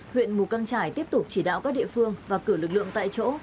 huyện mù căng trải tiếp tục chỉ đạo các địa phương và cử lực lượng tại chỗ